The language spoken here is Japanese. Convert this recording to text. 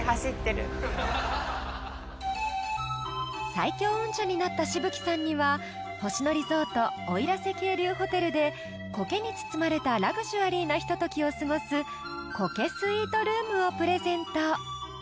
［最強運者になった紫吹さんには星野リゾート奥入瀬渓流ホテルでコケに包まれたラグジュアリーなひとときを過ごす苔スイートルームをプレゼント］